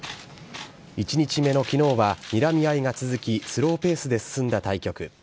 １日目のきのうは、にらみ合いが続き、スローペースで進んだ対局。